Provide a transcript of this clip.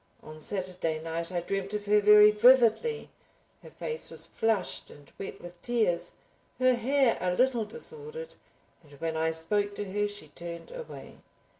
On Saturday night I dreamt of her very vividly. Her face was flushed and wet with tears, her hair a little disordered, and when I spoke to her she turned away.